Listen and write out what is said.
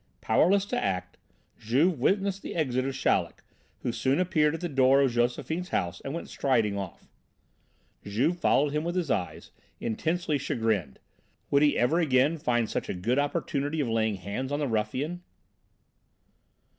Powerless to act, Juve witnessed the exit of Chaleck, who soon appeared at the door of Josephine's house and went striding off. Juve followed him with his eyes, intensely chagrined. Would he ever again find such a good opportunity of laying hands on the ruffian?